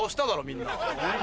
みんな。